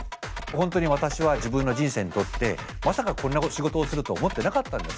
本当に私は自分の人生にとってまさかこんな仕事をすると思ってなかったんですね。